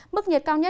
mức nhiệt cao nhất